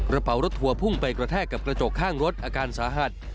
กระเป๋ารถทัวร์พุ่งไปกระแทกกับกระจกข้างรถอาการสาหัส